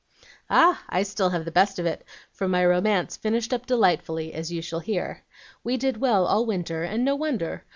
"Ah! I still have the best of it, for my romance finished up delightfully, as you shall hear. We did well all winter, and no wonder.